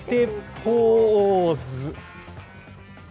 ポーズ。